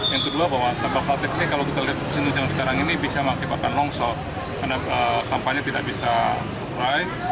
yang kedua bahwa sampah plastik ini kalau kita lihat musim hujan sekarang ini bisa mengakibatkan longsor karena sampahnya tidak bisa naik